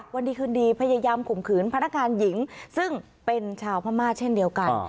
วันดีคืนดีพยายามข่มขืนพนักงานหญิงซึ่งเป็นชาวพม่าเช่นเดียวกัน